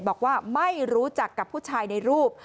บอกว่าไม่รู้จักกับผู้ชายในรูป